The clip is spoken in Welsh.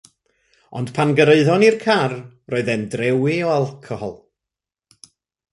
Ond pan gyrhaeddon ni'r car roedd e'n drewi o alcohol